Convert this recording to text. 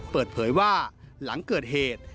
เปิดเผยว่าหลังเกิดเหตุ